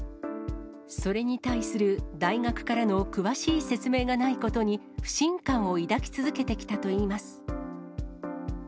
それに対する大学からの詳しい説明がないことに不信感を抱き続けてきたといいます。